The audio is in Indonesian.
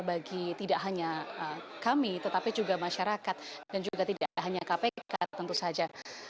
bagi tidak hanya kami tetapi juga masyarakat dan juga tidak hanya kpk tentu saja